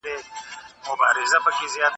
سپین موټر دې زنده باد وي.